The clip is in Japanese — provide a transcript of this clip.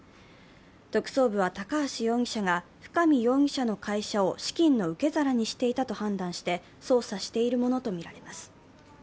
特捜部は高橋容疑者が深見容疑者の会社を資金の受け皿にしていたと判断して捜査しているものとみられます。